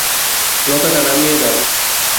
লতাটা নামিয়ে দাও।